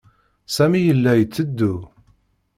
Sami yella yetteddu.